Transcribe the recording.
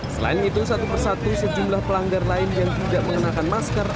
selain itu satu persatu sejumlah pelanggar lain yang tidak mengenakan masker